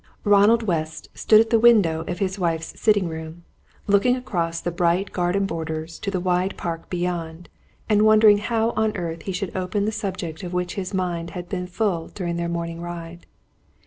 Ronald West stood at the window of his wife's sitting room, looking across the bright garden borders to the wide park beyond, and wondering how on earth he should open the subject of which his mind had been full during their morning ride.